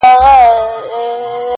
o هسي بیا نه راځو؛ اوس لا خُمار باسه؛